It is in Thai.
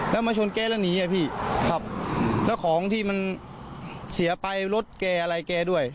แล้วมาชนแกแล้วหนีอ่ะพี่ครับแล้วของที่มันเสียไปรถแกอะไรแกด้วย